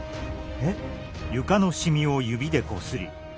えっ？